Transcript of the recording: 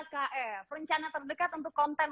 kl perencana terdekat untuk konten